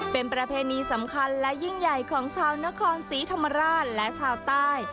เป็นประเพณีสำคัญและยิ่งใหญ่ของชาวนครศรีธรรมราชและชาวใต้